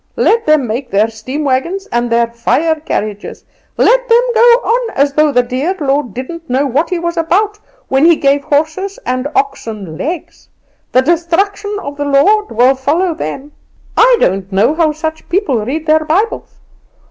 "Let them make their steam wagons and their fire carriages; let them go on as though the dear Lord didn't know what he was about when He gave horses and oxen legs the destruction of the Lord will follow them. I don't know how such people read their Bibles.